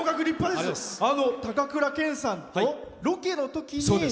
あの高倉健さんとロケのときに。